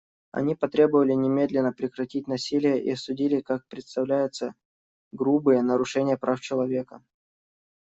Они потребовали немедленно прекратить насилие и осудили, как представляется, грубые нарушения прав человека.